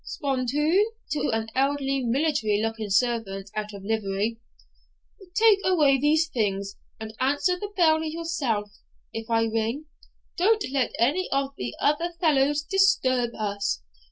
Spontoon' (to an elderly military looking servant out of livery),'take away these things, and answer the bell yourself, if I ring. Don't let any of the other fellows disturb us.